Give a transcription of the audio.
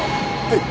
はい。